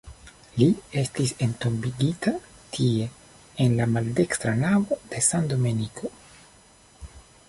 Li estis entombigita tie en la maldekstra navo de San Domenico.